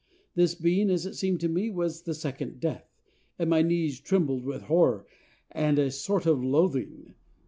This being, as it seemed to me, was the Second Death, and my knees trembled with horror and a sort of loathing.